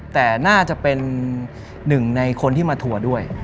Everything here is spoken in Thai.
แต่น่าจะเป็นหนึ่งในคนที่มาทัวร์ด้วย